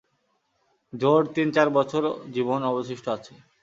জোর তিন-চার বছর জীবন অবশিষ্ট আছে।